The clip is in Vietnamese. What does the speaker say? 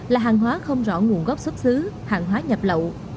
là hàng hóa không rõ nguồn gốc xuất xứ hàng hóa nhập lậu